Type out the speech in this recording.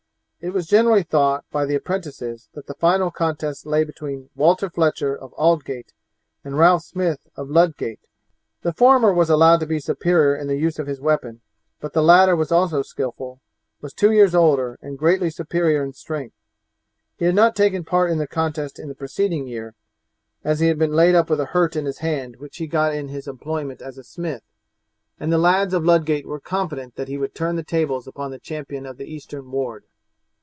It was generally thought by the apprentices that the final contest lay between Walter Fletcher of Aldgate and Ralph Smith of Ludgate. The former was allowed to be superior in the use of his weapon, but the latter was also skilful, was two years older, and greatly superior in strength. He had not taken part in the contest in the preceding year, as he had been laid up with a hurt in his hand which he had got in his employment as a smith, and the lads of Ludgate were confident that he would turn the tables upon the champion of the eastern ward.